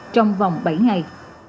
trong vòng bảy ngày